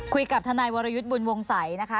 คุยกับทนายวรยุทธ์บุญวงศัยนะคะ